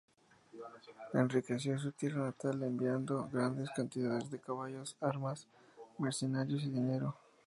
Enriqueció a su tierra natal enviando grandes cantidades de caballos, armas, mercenarios y dinero.